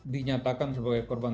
dinyatakan sebagai korban